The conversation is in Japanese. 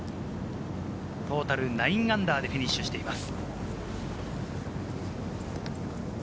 トータル−９でフィニッシュしています。